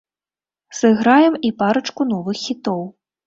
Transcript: Сыграем і парачку новых хітоў.